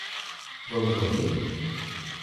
Vamos dormir